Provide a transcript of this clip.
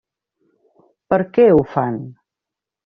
Per què ho fan?